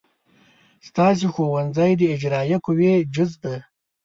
ستاسې ښوونځی د اجرائیه قوې جز دی.